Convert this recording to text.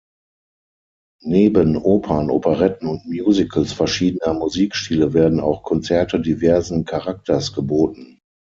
Neben Opern, Operetten und Musicals verschiedener Musikstile werden auch Konzerte diversen Charakters geboten.